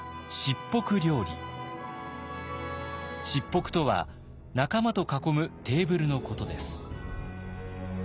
卓袱とは仲間と囲むテーブルのことです。